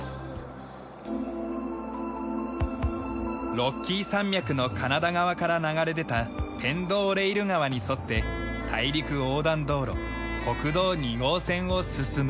ロッキー山脈のカナダ側から流れ出たペンド・オレイル川に沿って大陸横断道路・国道２号線を進む。